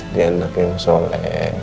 jadi anak yang soleh